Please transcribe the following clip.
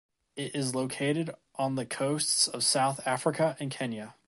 It is located on the coasts of South-Africa and Kenya.